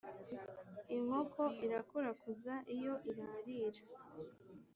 inkoko irakurakuza iyo irarira